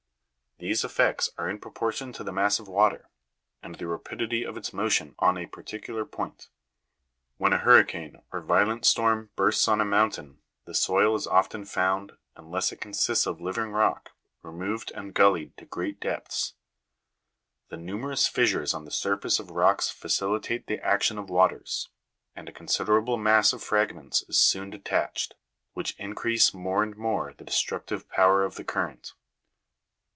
These effects are in proportion to the mass of water, and the rapidity of its motion on a particular point. When a hur ricane or violent storm bursts on a mountain, the soil is often found, unless it consist of living rock, removed and gullied to great depths. The numerous fissures on the surface of rocks facilitate the action of waters, and a considerable mass of fragments is soon detached, which increase more and more the destructive power of the current.